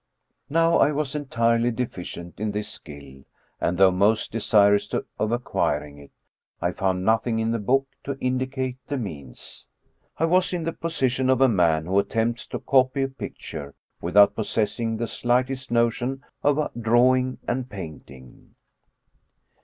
Now, I was entirely deficient in this skill, and though most desirous of acquiring it, I found nothing in the book to indicate the means. I was in the position of a man who attempts to copy a picture without possessing the slightest notion of drawing and painting.